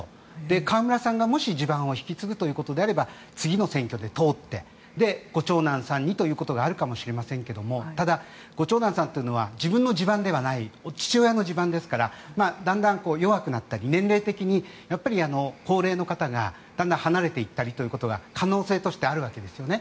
河村さんがもし地盤を引き継ぐということであれば次の選挙で通ってご長男さんにということがあるかもしれませんがご長男さんというのは自分の地盤ではない父親の地盤ですからだんだん弱くなったり年齢的に高齢の方がだんだん離れていったりということが可能性としてあるわけですよね。